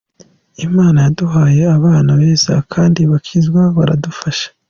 Imana yaduhaye abana beza kandi bakizwa baradufasha.